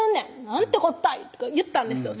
「なんてこったい」とか言ったんですよ